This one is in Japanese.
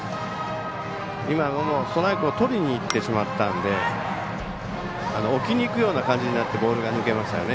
今のもストライクをとりにいってしまったんで置きにいくような感じになってボールが抜けましたよね。